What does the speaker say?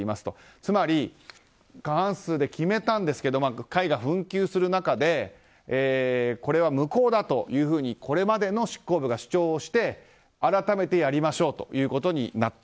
つまり過半数で決めたんですが会が紛糾する中でこれは無効だというふうにこれまでの執行部が主張して改めてやりましょうということになった。